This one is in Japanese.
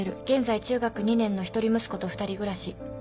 現在中学２年の一人息子と２人暮らし。